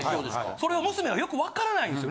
それを娘はよく分からないんですよ。